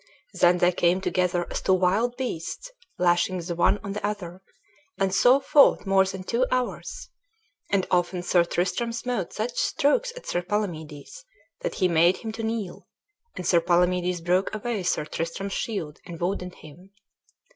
Then they came together as two wild beasts, lashing the one on the other, and so fought more than two hours; and often Sir Tristram smote such strokes at Sir Palamedes that he made him to kneel, and Sir Palamedes broke away Sir Tristram's shield, and wounded him.